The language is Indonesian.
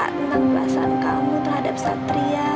tentang perasaan kamu terhadap satria